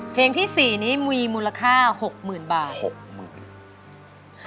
เพลงที่๔มีมูลค่า๖๐๐๐๐บาท